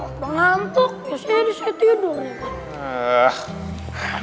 udah ngantuk ya saya tidur